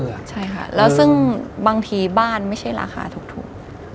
ใช่ค่ะแล้วซึ่งบางทีบ้านไม่ใช่ราคาถูก